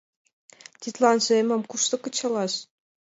Тидланже эмым кушто кычалаш?